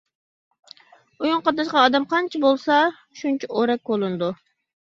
ئويۇنغا قاتناشقان ئادەم قانچە بولسا شۇنچە ئورەك كولىنىدۇ.